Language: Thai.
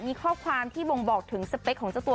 มีข้อความที่บ่งบอกถึงสเปคของเจ้าตัว